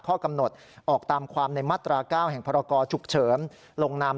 ข้อกำหนดออกตามความในมาตรา๙แห่งพรกรฉุกเฉินลงนาม